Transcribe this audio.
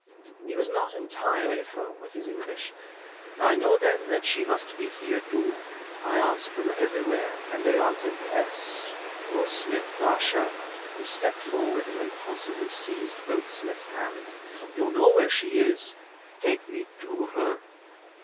He was not entirely at home with his English. "I know then that she must be here, too. I ask them everywhere, and they answer 'yes.' Oh, Smith Pasha!" he stepped forward and impulsively seized both Smith's hands "You know where she is take me to her!"